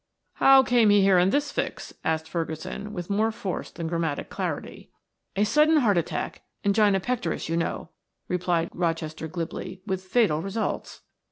"How came he here in this fix?" asked Ferguson with more force than grammatic clarity. "A sudden heart attack angina pectoris, you know," replied Rochester glibly, "with fatal results."